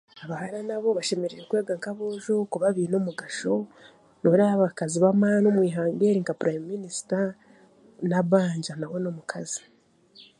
Abahara naabo bashemereire kwega nk'aboojo kuba beine omugasho, n'oreeba nk'abakaazi b'amaani omw'eihanga eri nka purayimu minisita Nabbanja nawe n'omukaazi.